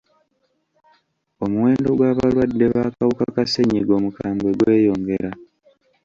Omuwendo gw'abalwadde b'akawuka ka ssenyiga omukambwe gweyongera.